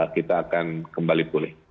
kita akan kembali pulih